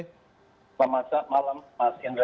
selamat malam mas indra